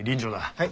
はい。